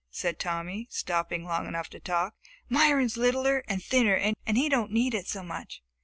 said Tommy, stopping long enough to talk. "Myron's littler and thinner, and he don't need it so much."